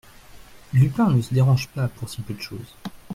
Lupin ne se dérange pas pour si peu de chose.